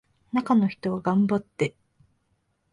中の人は頑張って